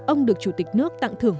ông được chủ tịch nước tặng thưởng